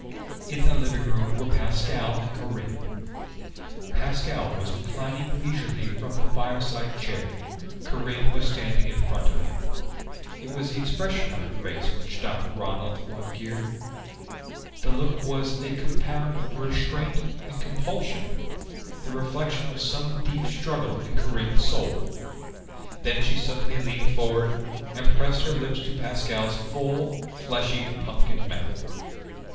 In the living room were Pascal and Corinne. Pascal was reclining leisurely in the fireside chair; Corinne was standing in front of him. It was the expression on her face which stopped Ronald Lovegear. The look was a compound of restraint and compulsion, the reflection of some deep struggle in Corinne's soul. Then she suddenly leaned forward and pressed her lips to Pascal's full, fleshy pumpkin mouth.